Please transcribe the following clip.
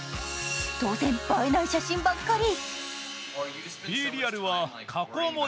当然、映えない写真ばっかり。